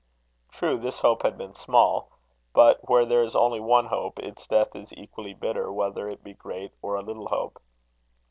True, this hope had been small; but where there is only one hope, its death is equally bitter, whether it be a great or a little hope.